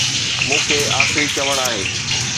مون کي آخري چوڻ آهي.